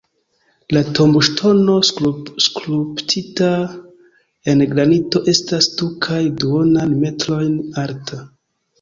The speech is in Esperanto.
La tomboŝtono skulptita en granito estas du kaj duonan metrojn alta.